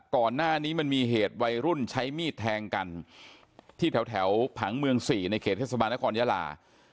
ก่อนหน้านี้มันมีเหตุวัยรุ่นใช้มีดแทงกันที่แถวผังเมือง๔ในเขตเทศบาลนครยาลา